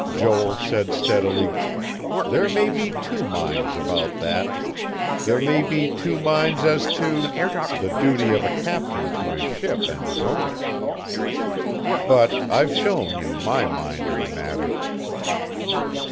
Joel said steadily: "There may be two minds about that. There may be two minds as to the duty of a captain to his ship and his owner. But I've shown you my mind in the matter."